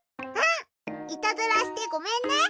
いたずらしてごめんね。